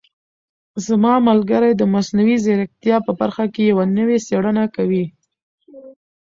زما ملګری د مصنوعي ځیرکتیا په برخه کې یوه نوې څېړنه کوي.